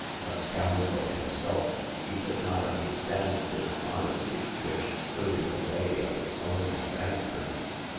A scoundrel himself, he could not understand this honesty which stood in the way of its own ad vancement.